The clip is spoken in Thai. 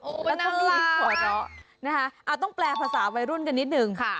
โอ้มันน้ำลาค่ะแล้วก็มีหัวเราะนะคะต้องแปลภาษาวัยรุ่นกันนิดนึง